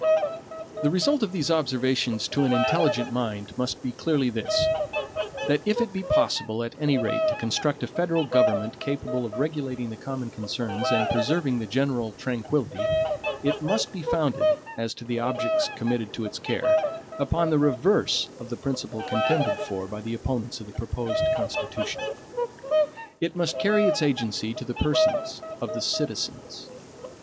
The result of these observations to an intelligent mind must be clearly this, that if it be possible at any rate to construct a federal government capable of regulating the common concerns and preserving the general tranquillity, it must be founded, as to the objects committed to its care, upon the reverse of the principle contended for by the opponents of the proposed Constitution. It must carry its agency to the persons of the citizens.